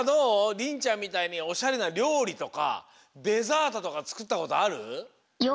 りんちゃんみたいにおしゃれなりょうりとかデザートとかつくったことある？